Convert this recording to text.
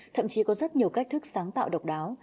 thậm chí có rất nhiều cách thức sáng tạo độc đáo